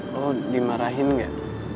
lo dimarahin gak